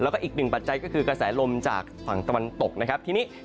ก็อีก๑ปัจจัยก็คือกระแสลมงานแถมกากจากตะวันตก